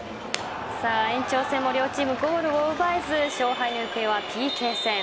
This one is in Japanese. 延長戦も両チーム、ゴールを奪えず勝敗の行方はＰＫ戦。